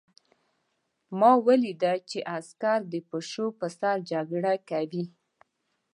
ما ولیدل چې عسکر د پیشو په سر جګړه کوي